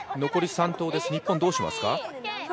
残り３投です、日本どうしますか？